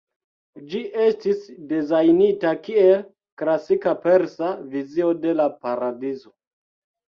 Ĝi estis dezajnita kiel klasika persa vizio de la paradizo.